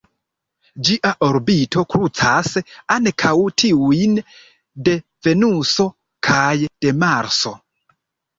Ĝia orbito krucas ankaŭ tiujn de Venuso kaj de Marso.